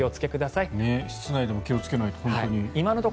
室内でも気をつけないと。